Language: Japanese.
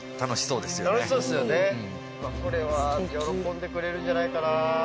これは喜んでくれるんじゃないかな。